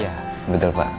iya betul pak